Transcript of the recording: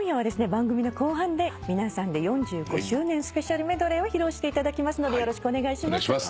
番組の後半で皆さんで４５周年スペシャルメドレーを披露していただきますのでよろしくお願いします。